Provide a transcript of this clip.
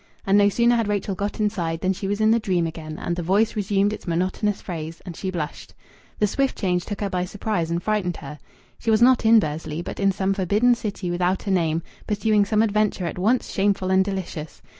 And no sooner had Rachel got inside than she was in the dream again, and the voice resumed its monotonous phrase, and she blushed. The swift change took her by surprise and frightened her. She was not in Bursley, but in some forbidden city without a name, pursuing some adventure at once shameful and delicious.